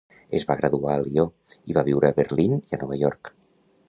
Es va graduar a Lió, i va viure a Berlín i a Nova York.